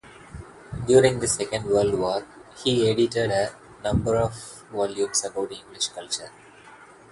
During the Second World War, he edited a number of volumes about English culture.